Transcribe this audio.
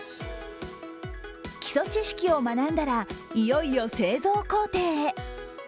基礎知識を学んだら、いよいよ製造工程へ。